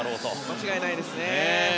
間違いないですね。